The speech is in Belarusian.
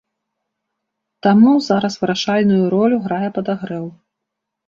Таму зараз вырашальную ролю грае падагрэў.